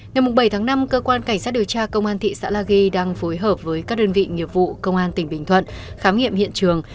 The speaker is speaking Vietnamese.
ngày bảy tháng năm cơ quan cảnh sát điều tra công an thị xã la ghi đang phối hợp với các đơn vị nghiệp vụ công an tỉnh bình thuận khám nghiệm hiện trường